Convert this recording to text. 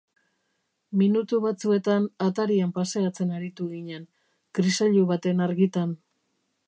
Minutu batzuetan atarian paseatzen aritu ginen, kriseilu baten argitan.